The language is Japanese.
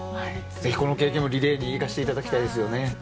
ぜひこの経験をリレーに生かしていただきたいですね。